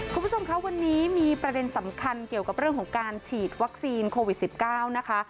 คุณผู้ชมคะวันนี้มีประเด็นสำคัญเกี่ยวกับเรื่องของการฉีดวัคซีนโควิด๑๙นะคะ